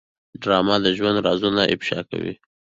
ډرامه د ژوند رازونه افشا کوي